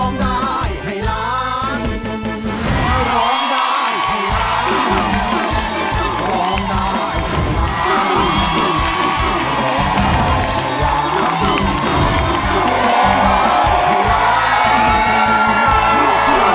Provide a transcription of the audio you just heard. ร้องได้ให้ล้าน